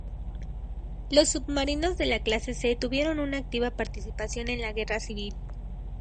Los submarinos de la clase C tuvieron una activa participación en la guerra civil.